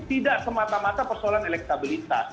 tidak semata mata persoalan elektabilitas